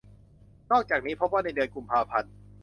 นอกจากนี้ พบว่าในเดือนกุมภาพันธ์